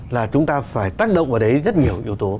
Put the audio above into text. là chúng ta phải tác động ở đấy rất nhiều yếu tố